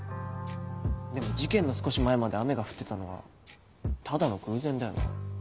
でも事件の少し前まで雨が降ってたのはただの偶然だよな。